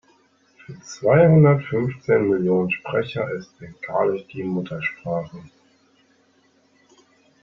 Für zweihundertfünfzehn Millionen Sprecher ist Bengalisch die Muttersprache.